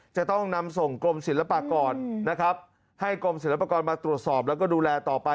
จะต้องนำส่งกรมศิลปากรนะครับให้กรมศิลปากรมาตรวจสอบแล้วก็ดูแลต่อไป